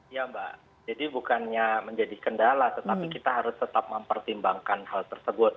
ya mbak jadi bukannya menjadi kendala tetapi kita harus tetap mempertimbangkan hal tersebut